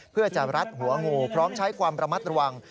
เพื่อจะรัดหัวงูพร้อมใช้ความระมัดระวัง